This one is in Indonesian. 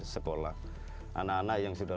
sekolah anak anak yang sudah